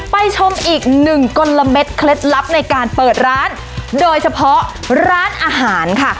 ไปชมอีกหนึ่งกลมเด็ดเคล็ดลับในการเปิดร้านโดยเฉพาะร้านอาหารค่ะ